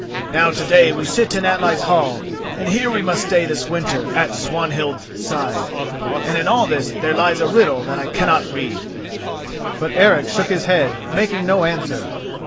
Now to day we sit in Atli's hall and here we must stay this winter at Swanhild's side, and in all this there lies a riddle that I cannot read." But Eric shook his head, making no answer.